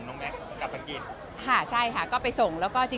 ก็จริงต้องไปต้องพาเขาไปสอบสัมภาษณ์ด้วย